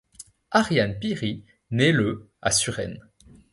Ariane Pirie naît le à Suresnes.